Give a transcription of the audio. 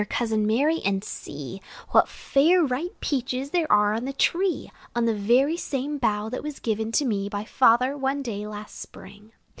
cousin Mary, and see What fair, ripe peaches there are on the tree On the very same bough that was given to me By father, one day last spring.